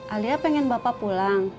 alia pengen bapak pulang